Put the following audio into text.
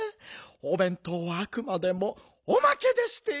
おべんとうはあくまでもおまけでしてよ。